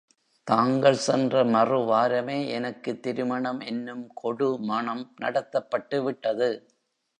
தாங்கள் சென்ற மறு வாரமே எனக்குத் திருமணம் என்னும் கொடு மணம் நடத்தப்பட்டுவிட்டது.